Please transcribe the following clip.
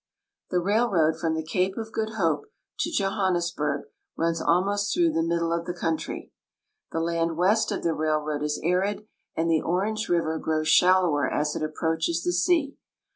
The railroad from the cape of Good Hope to Johannesburg runs almost through the middle of the country. The land west of the railroad is arid, and the Orange river grows shallower as it approaches the sea.